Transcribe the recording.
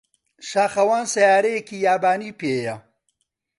شاخەوان سەیارەیەکی یابانی پێیە.